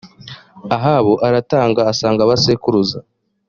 ahabu aratanga asanga ba sekuruza